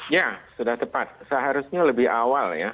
ya sudah tepat seharusnya lebih awal ya